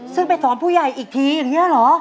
ซึ่งไปสอนผู้ใหญ่อีกทีอย่างนี้เหรอ